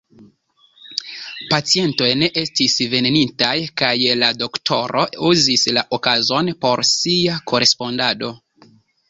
Pacientoj ne estis venintaj kaj la doktoro uzis la okazon por sia korespondado.